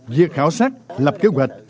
vì khảo sát lập kế hoạch